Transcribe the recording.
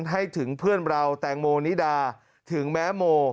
ให้ถึงเพื่อนเราแตงโมนิดาถึงแม้โม